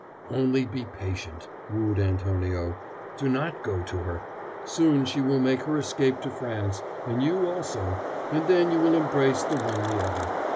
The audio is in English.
"Only be patient!" wooed Antonio "do not go to her. Soon she will make her escape to France, and you also, and then you will embrace the one the other.